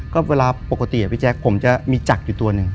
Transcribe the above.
ก็เวลาปกติพี่แจ๊คผมจะมีจักรอยู่ตัวหนึ่ง